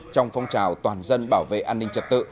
trong phong trào toàn dân bảo vệ an ninh trật tự